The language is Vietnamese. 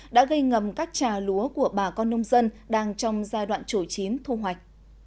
đã gây ngầm các trà lúa của bà con nông dân đang trong giai đoạn chỗ chín thu hoạch